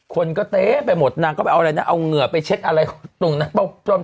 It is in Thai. คนก็เต๊ะไปหมดนางก็ไปเอาอะไรนะเอาเหงื่อไปเช็ดอะไรตรงนั้น